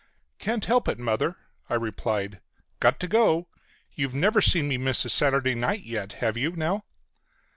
"Can't help it, Mother," I replied. "Got to go. You've never seen me miss a Saturday night yet, have you now?"